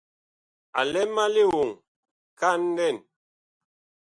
A lɛ ma lioŋ kan lɛn.